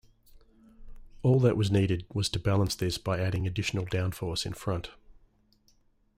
All that was needed was to balance this by adding additional downforce in front.